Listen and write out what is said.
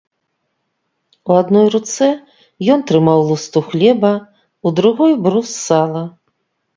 У адной руцэ ён трымаў лусту хлеба, у другой брус сала.